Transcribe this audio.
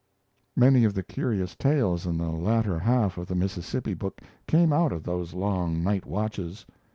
Many of the curious tales in the latter half of the Mississippi book came out of those long night watches.